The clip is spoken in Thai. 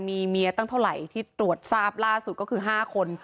มีเมียตั้งเท่าไหร่ที่ตรวจทราบล่าสุดก็คือ๕คน